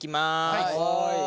はい。